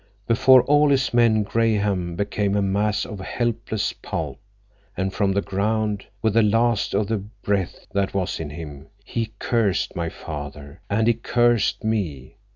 Before all his men Graham became a mass of helpless pulp, and from the ground, with the last of the breath that was in him, he cursed my father, and he cursed me.